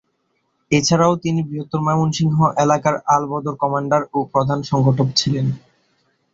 এছাড়াও তিনি বৃহত্তর ময়মনসিংহ এলাকার আল বদর কমান্ডার ও প্রধান সংগঠক ছিলেন।